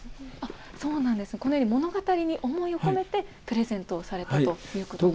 そうなんですね、物語に思いを込めてプレゼントされたということなんですね。